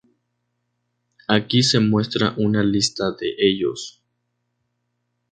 Aquí se muestra una lista de ellos.